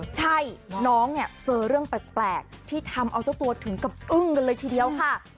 ใช่น้องเนี่ยเจอเรื่องแปลกที่ทำเอาเจ้าตัวถึงกับอึ้งกันเลยทีเดียวค่ะ